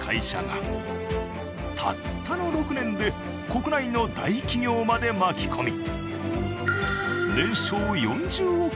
たったの６年で国内の大企業まで巻き込み。